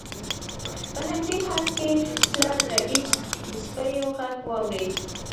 په همدې حال کې پلار ربیټ د سپیو غږ واورید